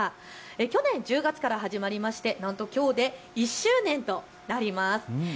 去年１０月から始まりまして、なんときょうで１周年となります。